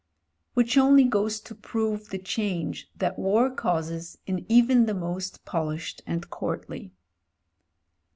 Which only goes to prove the change that war causes in even the most polished and courtly.